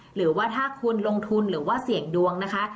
หรือว่าถ้าคุณลงทุนหรือว่าเสี่ยงดวงนะคะ